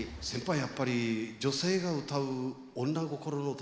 やっぱり女性が歌う女心の歌